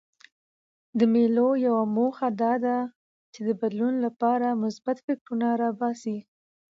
د مېلو یوه موخه دا ده، چي د بدلون له پاره مثبت فکرونه راباسي.